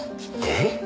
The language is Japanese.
えっ？